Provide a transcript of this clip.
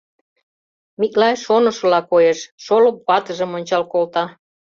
— Миклай шонышыла коеш, шолып ватыжым ончал колта.